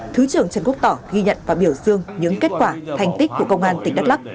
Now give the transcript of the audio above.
thứ trưởng trần quốc tỏ ghi nhận và biểu dương những kết quả thành tích của công an tỉnh đắk lắc